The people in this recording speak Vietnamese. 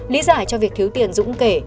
lý giải cho việc thiếu tiền dũng kể